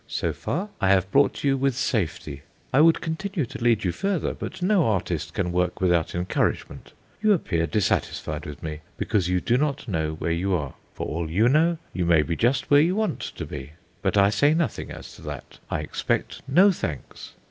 "So far, I have brought you with safety. I would continue to lead you further, but no artist can work without encouragement. You appear dissatisfied with me because you do not know where you are. For all you know, you may be just where you want to be. But I say nothing as to that; I expect no thanks.